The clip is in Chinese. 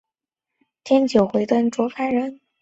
甘卓人。